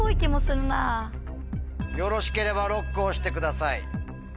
よろしければＬＯＣＫを押してください。